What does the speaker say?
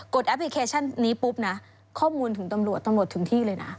แอปพลิเคชันนี้ปุ๊บนะข้อมูลถึงตำรวจตำรวจถึงที่เลยนะ